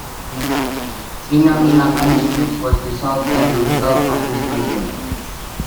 Minaminaka District was dissolved as a result of this merger.